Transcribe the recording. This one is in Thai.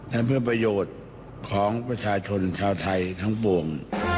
และเพื่อประโยชน์ของประชาชนชาวไทยทั้งปวง